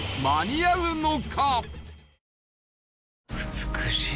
美しい。